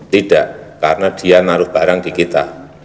tidak karena dia naruh barang di kita